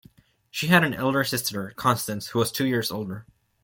She had an elder sister, Constance, who was two years older.